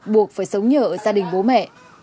buộc phải sống nhờ ở gia đình bố mẹ